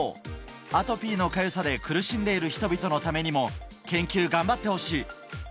アトピーのかゆさで苦しんでいる人々のためにも、研究頑張ってほしい。